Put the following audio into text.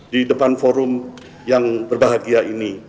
di depan forum yang berbahagia ini